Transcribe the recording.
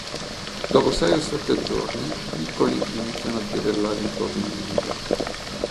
Dopo sei o sette giorni i piccoli iniziano a girellare intorno al nido.